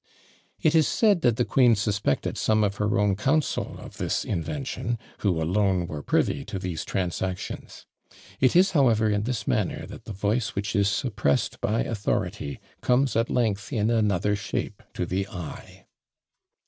" It is said that the queen suspected some of her own council of this invention, who alone were privy to these transactions. It is, however, in this manner that the voice which is suppressed by authority comes at length in another shape to the eye.